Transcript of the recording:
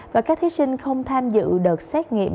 và các thí sinh không tham dự đợt xét nghiệm